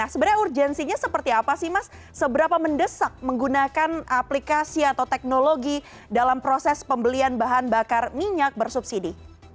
sebenarnya urgensinya seperti apa sih mas seberapa mendesak menggunakan aplikasi atau teknologi dalam proses pembelian bahan bakar minyak bersubsidi